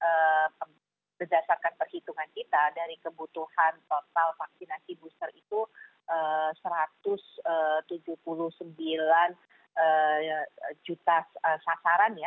jadi berdasarkan perhitungan kita dari kebutuhan total vaksinasi booster itu satu ratus tujuh puluh sembilan juta sasaran ya